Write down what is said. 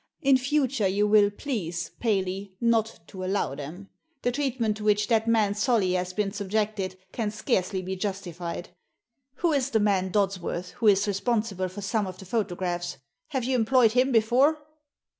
In future you will please, Paley, not to allow them. The treatment to which that man Solly has been sub jected can scarcely be justified. Who is the man Dodsworth, who is responsible for some of the photographs? Have you employed him before?"